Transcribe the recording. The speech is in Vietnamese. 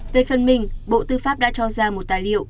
về phần mình bộ tư pháp đã cho ra một tài liệu